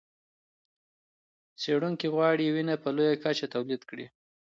څېړونکي غواړي وینه په لویه کچه تولید کړي.